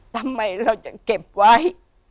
ทำไมเราจะเก็บไว้